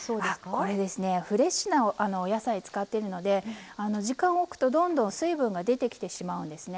これですねフレッシュなお野菜使っているので時間をおくとどんどん水分が出てきてしまうんですね。